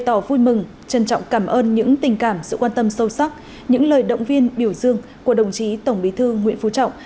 tôi vui mừng trân trọng cảm ơn những tình cảm sự quan tâm sâu sắc những lời động viên biểu dương của đồng chí tổng bí thư nguyễn phú trọng